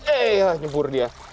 eh nyubur dia